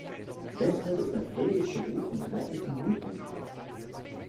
Weshalb ist ein völliges Verbot von Treibnetzen notwendig?